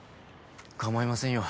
構いませんよ。